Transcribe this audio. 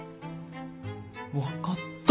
分かった！